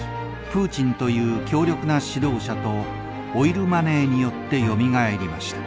プーチンという強力な指導者とオイルマネーによってよみがえりました。